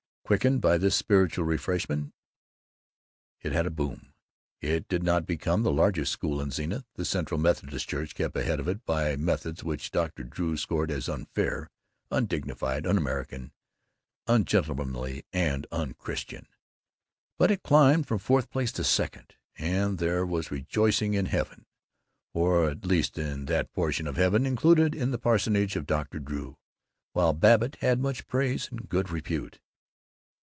Quickened by this spiritual refreshment, it had a boom. It did not become the largest school in Zenith the Central Methodist Church kept ahead of it by methods which Dr. Drew scored as "unfair, undignified, un American, ungentlemanly, and unchristian" but it climbed from fourth place to second, and there was rejoicing in heaven, or at least in that portion of heaven included in the parsonage of Dr. Drew, while Babbitt had much praise and good repute.